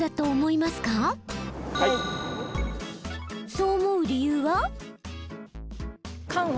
そう思う理由は？